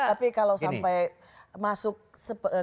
tapi kalau sampai masuk ke indonesia